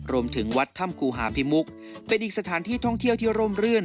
รวมถึงวัดถ้ำกูหามพิมุกเป็นอีกสถานที่ท่องเที่ยวที่ร่มรื่น